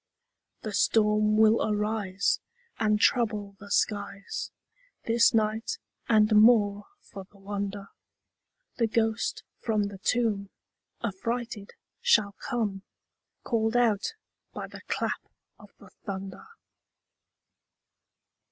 The storm will arise, And trouble the skies This night; and, more for the wonder, The ghost from the tomb Affrighted shall come, Call'd out by the clap of the thunder.